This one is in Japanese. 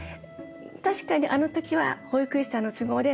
確かにあの時は保育士さんの都合で脱がそうとした。